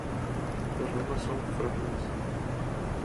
Las ramas son frágiles.